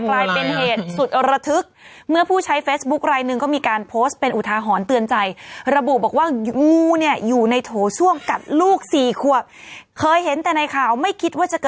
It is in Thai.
กลายเป็นเหตุสุดระทึก